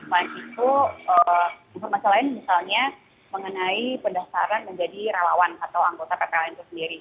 selain itu informasi lain misalnya mengenai pendaftaran menjadi relawan atau anggota ppln itu sendiri